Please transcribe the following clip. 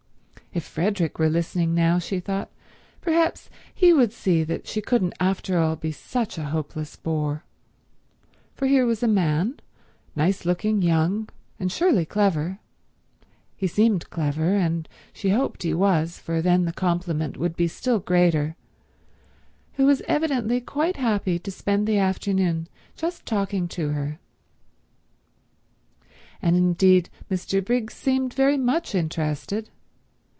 If Frederick were listening now, she thought, perhaps he would see that she couldn't after all be such a hopeless bore; for here was a man, nice looking, young, and surely clever—he seemed clever, and she hoped he was, for then the compliment would be still greater—who was evidently quite happy to spend the afternoon just talking to her. And indeed Mr. Briggs seemed very much interested.